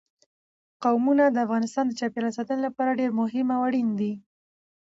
قومونه د افغانستان د چاپیریال ساتنې لپاره ډېر مهم او اړین دي.